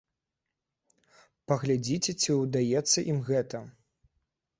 Паглядзіце ці ўдаецца ім гэта.